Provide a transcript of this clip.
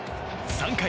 ３回。